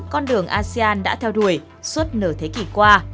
con đường asean đã theo đuổi suốt nửa thế kỷ qua